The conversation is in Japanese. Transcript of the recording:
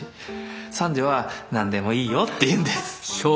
三女は「何でもいいよ」って言うんです。